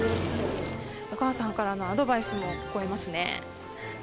お母さんからのアドバイスも聞こえますね。